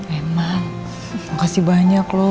emang makasih banyak loh